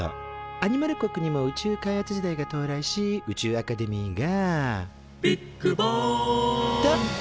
アニマル国にも宇宙開発時代が到来し宇宙アカデミーが「ビッグバーン！」と誕生。